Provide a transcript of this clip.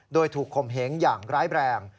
โดยถูกคมเหงอย่างร้ายแรง